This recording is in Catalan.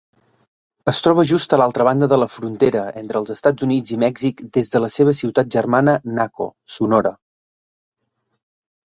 Es troba just a l'altra banda de la frontera entre els Estats Units i Mèxic des de la seva ciutat germana Naco, Sonora.